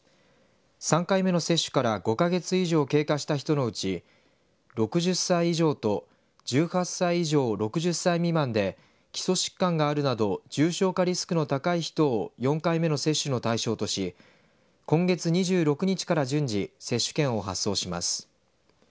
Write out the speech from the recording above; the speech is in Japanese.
３回目の接種から５か月以上経過した人のうち６０歳以上と１８歳以上、６０歳未満で基礎疾患があるなど重症化リスクの高い人を４回目の接種の対象とし今月２６日から順次接種券を発送します。